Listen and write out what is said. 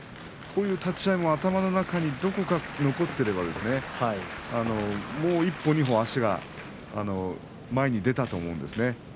こういう立ち合いも頭の中どこかに残っていればもう１歩、２歩、足が前に出たと思うんですね